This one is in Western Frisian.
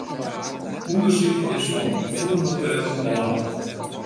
Undersyk is fan fûneminteel belang.